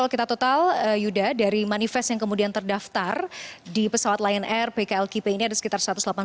kita total yuda dari manifest yang kemudian terdaftar di pesawat lion air pklkp ini ada sekitar satu ratus delapan puluh